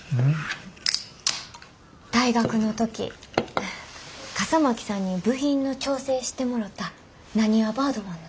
大学の時笠巻さんに部品の調整してもろたなにわバードマンの。